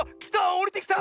おりてきた！